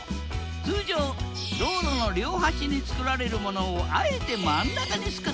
通常道路の両端に造られるものをあえて真ん中に造った。